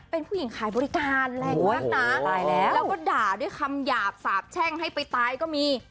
เป็นผู้หญิงขายบริการแรงมากนะตายแล้วแล้วก็ด่าด้วยคำหยาบสาบแช่งให้ไปตายก็มี